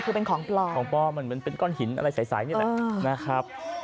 คือเป็นของปลอดภัยของปลอดภัยมันเป็นก้อนหินอะไรสายนี่แหละ